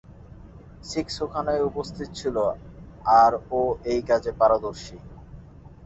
Six ওখানেই উপস্থিত ছিল, আর ও এই কাজে পারদর্শী।